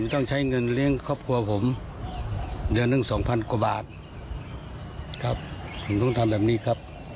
ครับผมต้องทำแบบนี้ครับ